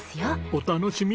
お楽しみ？